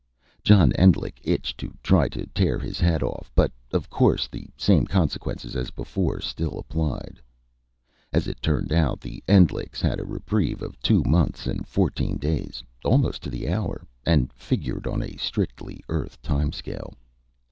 John Endlich itched to try to tear his head off. But, of course, the same consequences as before still applied.... As it turned out, the Endlichs had a reprieve of two months and fourteen days, almost to the hour and figured on a strictly Earth time scale.